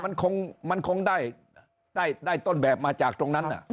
ผมว่ามันคงได้ต้นแบบมาจากตรงนั้นอะ